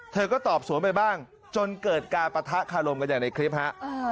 เธอก็ตอบสวนไปบ้างจนเกิดการปะทะคารมกันอย่างในคลิปฮะ